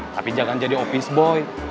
tapi jangan jadi office boy